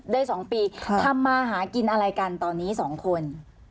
ได้สองปีทำมาหากินอะไรกันตอนนี้สองคน